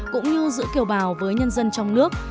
cũng như giữa kiều bào với nhân dân trong nước